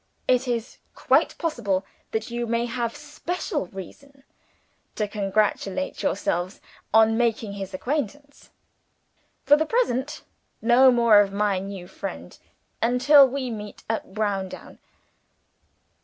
It is quite possible that you may have special reason to congratulate yourselves on making his acquaintance. For the present, no more of my new friend until we meet at Browndown.'